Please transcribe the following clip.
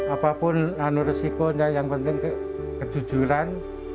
apapun anu risikonya yang penting kejujuran